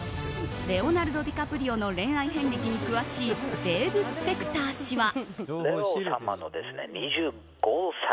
レオナルド・ディカプリオの恋愛遍歴に詳しいデーブ・スペクター氏は。